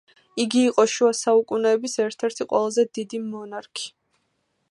იგი იყო შუა საუკუნეების ერთ-ერთი ყველაზე დიდი მონარქი.